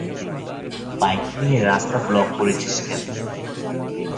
Bike নিয়ে রাস্তা block করেছিস কেন?